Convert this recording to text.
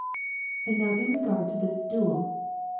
And now in regard to this duel